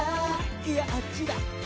いやあっちだ！